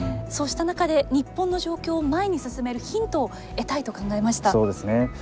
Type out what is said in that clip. そうした中で日本の状況を前に進めるヒントをそうですね。